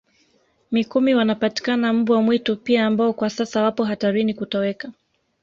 Mikumi wanapatikana mbwa mwitu pia ambao kwa sasa wapo hatarini kutoweka